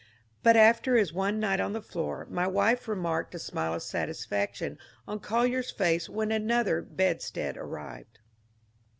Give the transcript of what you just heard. But after bis one nigbt on tbe floor my wife remarked a smile of satisfaction on Collyer's face wben anotber bed stead arrived.